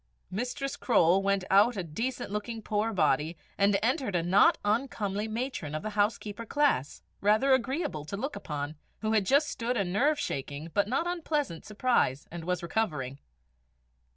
Mistress Croale went out a decent looking poor body, and entered a not uncomely matron of the housekeeper class, rather agreeable to look upon, who had just stood a nerve shaking but not unpleasant surprise, and was recovering.